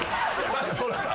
そうだった。